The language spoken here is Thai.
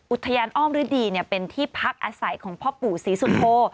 อุทยานอ้อมฤดีเป็นที่พักอาศัยของพ่อปู่ศรีสุโธ